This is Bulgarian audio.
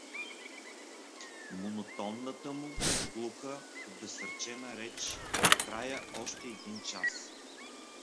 Монотонната му, глуха, обезсърчена реч трая още един час!